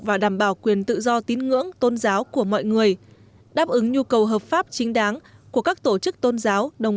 và đảm bảo quyền tự do tín ngưỡng tôn giáo của mọi người đáp ứng nhu cầu hợp pháp chính đáng